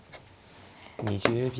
２０秒。